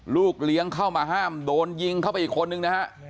ลูกเลี้ยงเข้ามาห้ามโดนยิงเข้าไปอีกคนนึงนะฮะ